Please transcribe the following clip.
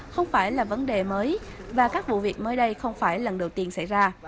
không phải là vấn đề mới và các vụ việc mới đây không phải lần đầu tiên xảy ra